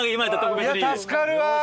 助かるわ！